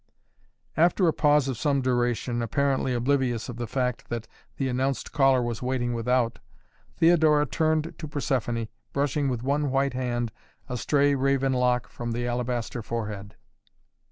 After a pause of some duration, apparently oblivious of the fact that the announced caller was waiting without, Theodora turned to Persephoné, brushing with one white hand a stray raven lock from the alabaster forehead.